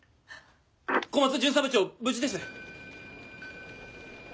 小松巡査部長無事です！